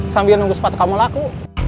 sambil nunggu sepatu kamu laku